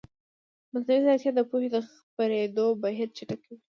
مصنوعي ځیرکتیا د پوهې د خپرېدو بهیر چټکوي.